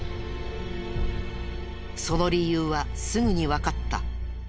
その理由はすぐにわかった。